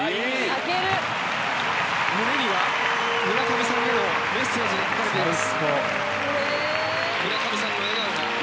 泣ける胸には村上さんへのメッセージが書かれています